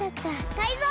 タイゾウ！